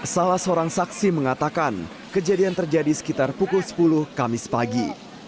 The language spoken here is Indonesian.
salah seorang saksi mengatakan kejadian terjadi sekitar pukul sepuluh kamis pagi